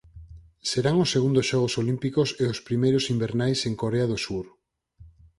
Serán os segundos Xogos Olímpicos e os primeiros invernais en Corea do Sur.